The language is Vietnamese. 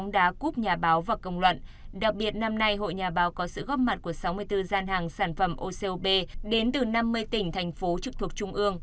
đặc biệt năm nay hội nhà báo có sự góp mặt của sáu mươi bốn gian hàng sản phẩm ocop đến từ năm mươi tỉnh thành phố trực thuộc trung ương